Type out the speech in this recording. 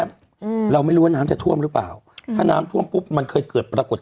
อืมเราไม่รู้ว่าน้ำจะท่วมหรือเปล่าค่ะถ้าน้ำท่วมปุ๊บมันเคยเกิดปรากฏ